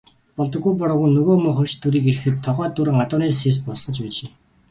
Болдоггүй Бор өвгөн нөгөө муу хоёр чөтгөрийг ирэхэд тогоо дүүрэн адууны сэвс буцалгаж байжээ.